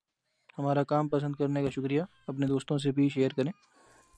ہمارا کام پسند کرنے کا شکریہ! اپنے دوستوں سے بھی شیئر کریں۔